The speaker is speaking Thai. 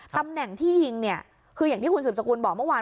ตำแหน่งที่ยิงเนี่ยคืออย่างที่คุณสืบสกุลบอกเมื่อวาน